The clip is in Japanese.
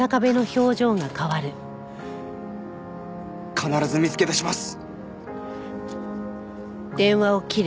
必ず見つけ出します！